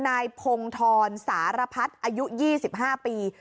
นายพงธรสารพัฒน์อายุ๒๕ปี